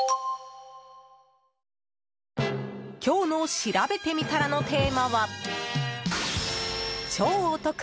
今日のしらべてみたらのテーマは超お得！